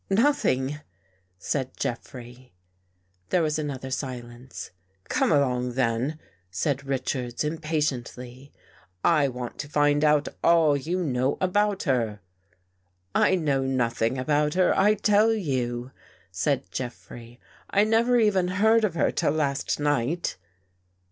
" Nothing," said Jeffrey. There was another silence. " Come along, then !" said Richards impatiently. " I want to find out all you know about her." " I know nothing about her, I tell you," said Jeffrey. " I never even heard of her till last night."